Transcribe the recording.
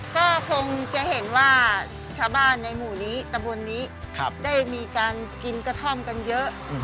ก็คงจะเห็นว่าชาวบ้านในหมู่นี้ตะบนนี้ได้มีการกินกระท่อมกันเยอะ